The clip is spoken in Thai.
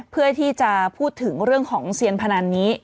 เพื่อที่จะพูดถึงเรื่องของเซียนพนันนี้